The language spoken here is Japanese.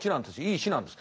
いい市なんです。